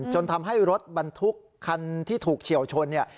จนทำให้รถบรรทุกคันที่ถูกเฉียวชนเนี่ย